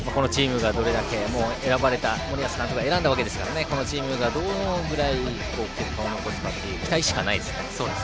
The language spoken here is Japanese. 森保監督が選んだわけですからこのチームがどのぐらい結果を残すかという期待しかないですね。